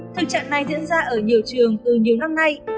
thực trạng này diễn ra ở nhiều trường từ nhiều năm nay